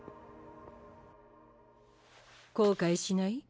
後悔しない？